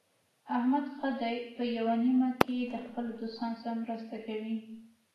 احمد ښه دی په یوه نیمه کې د خپلو دوستانو سره مرسته کوي.